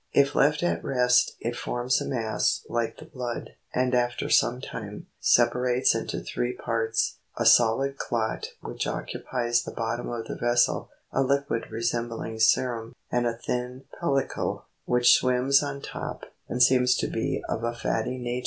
If left at rest, it forms a mass, like the blood, and after sometime, separates into three parts; a solid clot which occupies the bottom of the vessel, a liquid resembling serum, and a thin pellicle, which swims on top, and seems to be of a fatty nature.